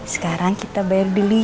sekarang kita bayar dulu ya